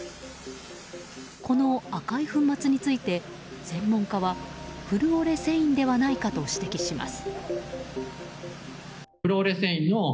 この赤い粉末について、専門家はフルオレセインではないかと指摘します。